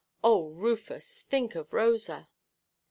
Oh, Rufus, think of Rosa!